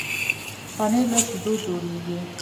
پنېر له شيدو جوړېږي.